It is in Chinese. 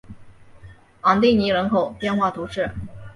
昂蒂尼人口变化图示